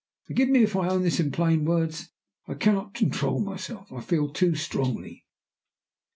Forgive me if I own this in plain words. I cannot control myself I feel too strongly."